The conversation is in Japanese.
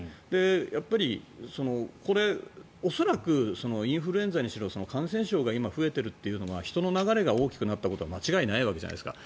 やっぱり、恐らくインフルエンザにしろ感染症が今、増えているというのは人の流れが大きくなったことは間違いないわけじゃないですか。